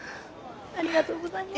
ありがとうございます。